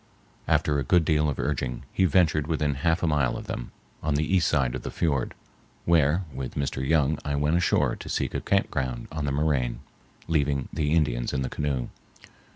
After a good deal of urging he ventured within half a mile of them, on the east side of the fiord, where with Mr. Young I went ashore to seek a camp ground on the moraine, leaving the Indians in the canoe.